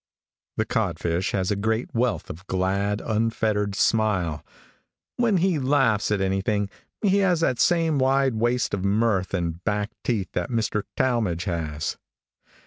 The codfish has a great wealth of glad, unfettered smile. When he laughs at anything, he has that same wide waste of mirth and back teeth that Mr. Talmage has.